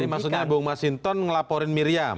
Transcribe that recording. jadi maksudnya bung mas hinton melaporin miriam